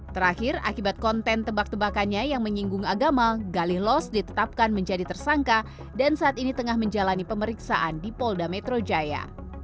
terakhir akibat konten tebak tebakannya yang menyinggung agama galih lost ditetapkan menjadi tersangka dan saat ini tengah menjalani pemeriksaan di polda metro jaya